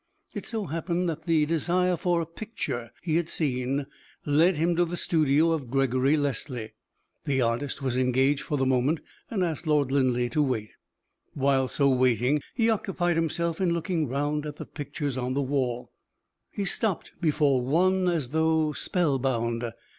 It so happened that the desire for a picture he had seen led him to the studio of Gregory Leslie. The artist was engaged for the moment, and asked Lord Linleigh to wait. While so waiting, he occupied himself in looking round at the pictures on the wall. He stopped before one as though spell bound.